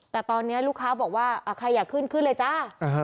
แต่ตอนนี้ลูกค้าบอกว่าใครอยากขึ้นขึ้นเลยจ้า